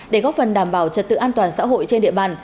để góp phần đảm bảo trật tự an toàn xã hội trên địa bàn